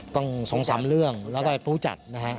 ต้องส่งสามเรื่องแล้วก็ได้ภูมิจัดนะฮะ